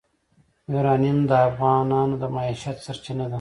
یورانیم د افغانانو د معیشت سرچینه ده.